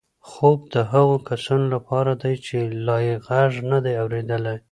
خوب د هغو کسانو لپاره دی چې لا یې غږ نه دی اورېدلی.